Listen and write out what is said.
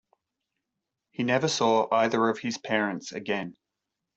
He never saw either of his parents again.